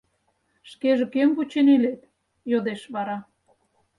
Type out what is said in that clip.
— Шкеже кӧм вучен илет? — йодеш вара.